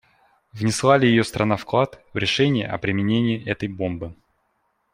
Внесла ли ее страна вклад в решение о применении этой бомбы?